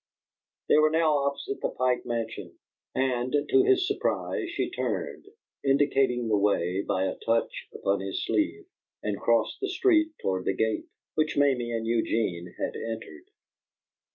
They were now opposite the Pike Mansion, and to his surprise she turned, indicating the way by a touch upon his sleeve, and crossed the street toward the gate, which Mamie and Eugene had entered.